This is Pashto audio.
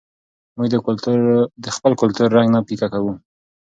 موږ د خپل کلتور رنګ نه پیکه کوو.